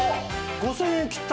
５０００円切った。